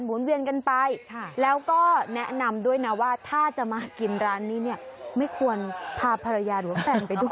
เวียนกันไปแล้วก็แนะนำด้วยนะว่าถ้าจะมากินร้านนี้เนี่ยไม่ควรพาภรรยาหรือว่าแฟนไปด้วย